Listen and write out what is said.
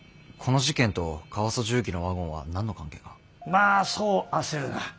まあそう焦るな。